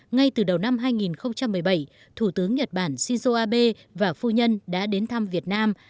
ngay từ đầu năm hai nghìn một mươi bảy thủ tướng nhật bản shinzo abe và phu nhân đã đến thăm việt nam